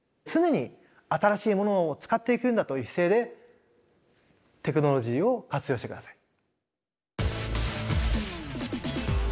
常に新しいものを使っていくんだという姿勢でテクノロジーを活用して下さい。